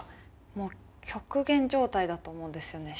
もう極限状態だと思うんですよね